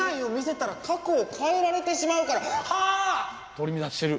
取り乱してる。